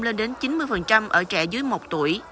lên đến chín mươi ở trẻ dưới một tuổi